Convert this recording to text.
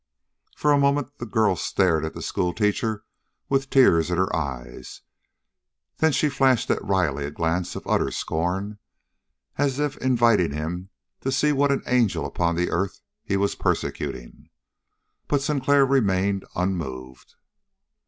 For a moment the girl stared at the schoolteacher with tears in her eyes; then she flashed at Riley a glance of utter scorn, as if inviting him to see what an angel upon the earth he was persecuting. But Sinclair remained unmoved.